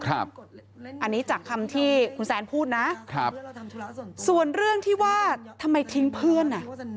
อันนี้จากคำที่คุณแซนพูดนะครับส่วนเรื่องที่ว่าทำไมทิ้งเพื่อนอ่ะ